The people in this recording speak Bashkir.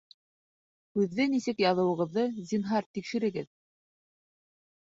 Һүҙҙе нисек яҙыуығыҙҙы, зинһар, тикшерегеҙ